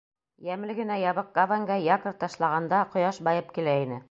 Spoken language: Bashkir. Йәмле генә ябыҡ гавангә якорь ташлағанда, ҡояш байып килә ине.